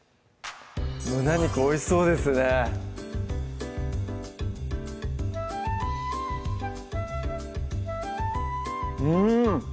胸肉美味しそうですねうん！